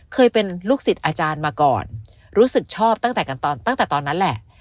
เคยเป็นลูกศิษย์อาจารย์มาก่อนรู้สึกชอบตั้งแต่ตอนนั้นแหละ